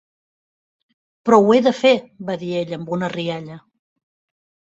"Però ho he de fer", va dir ella amb una rialla.